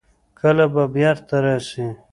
کله به بېرته راسي.